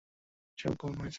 এসব কখন হয়েছে?